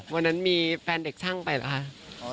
วันนั้นมีแฟนเด็กช่างไปเหรอคะ